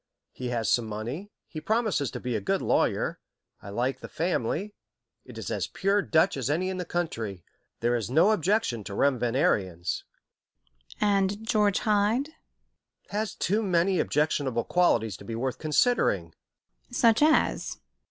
He has some money. He promises to be a good lawyer. I like the family. It is as pure Dutch as any in the country. There is no objection to Rem Van Ariens." "And George Hyde?" "Has too many objectionable qualities to be worth considering." "Such as?"